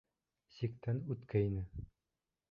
Сиктән үткәйне.